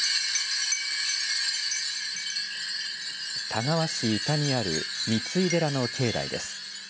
田川市伊田にある三井寺の境内です。